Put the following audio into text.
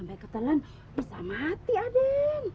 rasullah pak lapa'atuh sangat berbisa